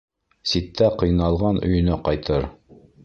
Ситтә ҡыйналған өйөнә ҡайтыр